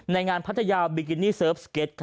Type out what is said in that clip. ในงานพัทยาบิกินี่เสิร์ฟสเก็ต